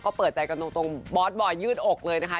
ก็เปิดใจกันตรงบอสบอยยืดอกเลยนะคะ